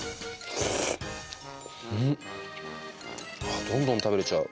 んあっどんどん食べれちゃう。